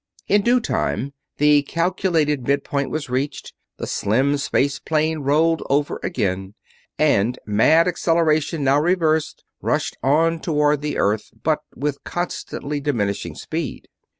In due time the calculated midpoint was reached, the slim space plane rolled over again, and, mad acceleration now reversed, rushed on toward the Earth, but with constantly diminishing speed.